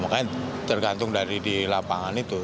makanya tergantung dari di lapangan itu